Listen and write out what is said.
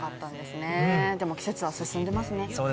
でも、季節は進んでいますね。